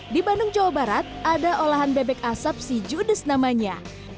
di bandung jawa barat ada olahan bebek asap si judes namanya